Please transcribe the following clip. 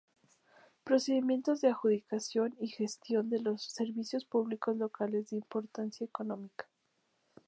Procedimientos de adjudicación y gestión de los servicios públicos locales de importancia económica.